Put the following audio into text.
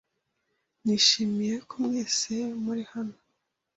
Nishimiye ko mwese muri hano.